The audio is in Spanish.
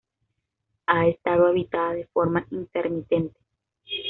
Ha estado habitada de forma intermitente.